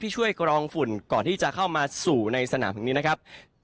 ช่วยกรองฝุ่นก่อนที่จะเข้ามาสู่ในสนามแห่งนี้นะครับ